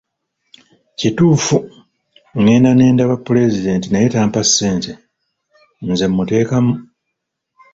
Kituufu ngenda n'endaba pulezidenti naye tampa ssente, nze muteekamu.